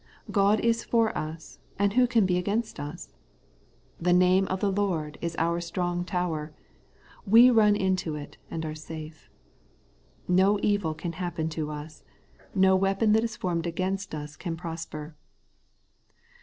God is for us, and who can be against The Holy Life of the Justified, 195 lis ? The name of the Lord is our strong tower ; we run into it, and are safe. No evil can happen to us; no weapon that is formed against us can prosper.